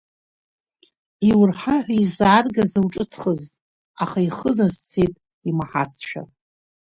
Иурҳа ҳәа изааргаз ауҿыцхыз, аха ихы назцеит, имаҳацшәа.